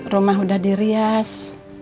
rumah udah dirias